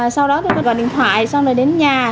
sau đó tôi gọi điện thoại xong rồi đến nhà